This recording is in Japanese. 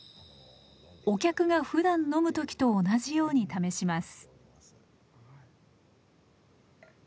お客がふだん飲む時と同じように試します。